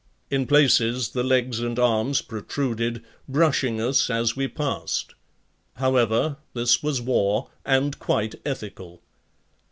In places the legs and arms protruded, brushing us as we passed. However, this was war and quite ethical.